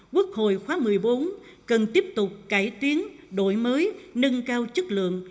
quốc hội khóa một mươi bốn cần tiếp tục cải tiến đổi mới nâng cao chất lượng